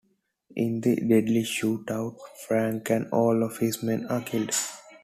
In a deadly shootout, Frank and all of his men are killed.